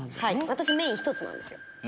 私メイン１つなんですよ